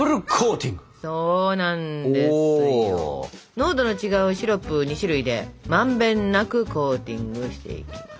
濃度の違うシロップを２種類でまんべんなくコーティングしていきます。